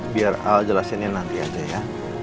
biar jelasinnya nanti aja ya